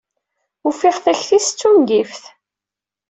Ufiɣ takti-is d tungift.